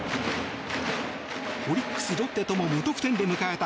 オリックス、ロッテとも無得点で迎えた